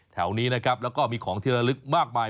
แถวนี้นะครับแล้วก็มีของที่ระลึกมากมาย